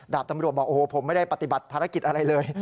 ตำรวจบอกโอ้โหผมไม่ได้ปฏิบัติภารกิจอะไรเลย